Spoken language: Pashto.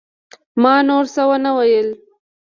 ما نور څه ونه ويل.